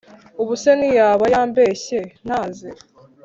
Ubuse ntiyaba yambeshye ntaze